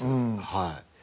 はい。